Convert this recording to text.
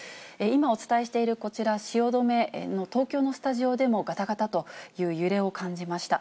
今、お伝えしているこちら、汐留の東京のスタジオでも、がたがたという揺れを感じました。